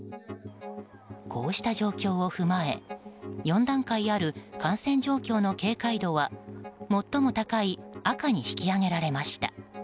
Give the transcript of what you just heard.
こうした状況を踏まえ４段階ある感染状況の警戒度は最も高い赤に引き上げられました。